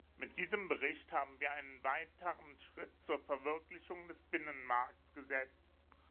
Mit diesem Bericht haben wir einen weiteren Schritt zur Verwirklichung des Binnenmarkts gesetzt.